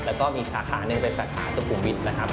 แล้วก็มีสาขาหนึ่งเป็นสาขาสุขุมวิทย์นะครับ